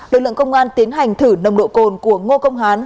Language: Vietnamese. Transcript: lực lượng công an tiến hành thử nồng độ cồn của ngô công hán